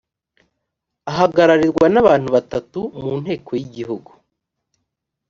ahagararirwa n ‘abantu batatu mu nteko yigihugu.